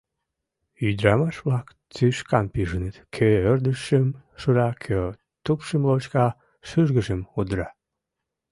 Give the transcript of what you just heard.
Ӱдырамаш-влак тӱшкан пижыныт: кӧ ӧрдыжшым шура, кӧ тупшым лочка, шӱргыжым удыра.